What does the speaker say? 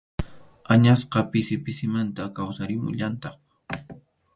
Añasqa pisi pisimanta kawsarimullantaq.